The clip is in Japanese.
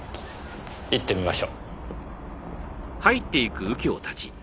行ってみましょう。